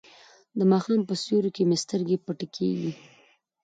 د ماښام په سیوري کې مې سترګې پټې کیږي.